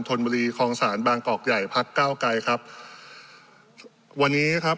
ธนบุรีคลองศาลบางกอกใหญ่พักเก้าไกรครับวันนี้ครับ